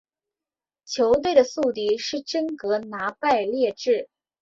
球队的宿敌是真格拿拜列治。